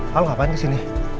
kamu ngapain disini